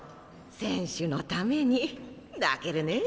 選手のために泣けるねえ！